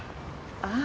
ああ。